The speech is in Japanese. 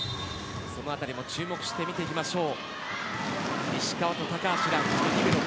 その辺りも注目して見ていきましょう。